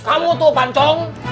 kamu tuh pancong